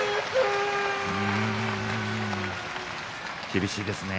厳しいですね。